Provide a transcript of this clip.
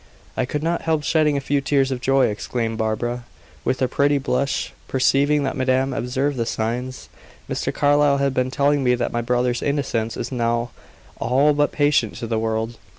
"I could not help shedding a few tears of joy," exclaimed Barbara, with a pretty blush, perceiving that madame observed the signs. "Mr. Carlyle has been telling me that my brother's innocence is now all but patent to the world.